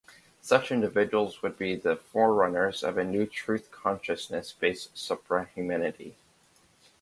Such individuals would be the forerunners of a new truth-consciousness based supra-humanity.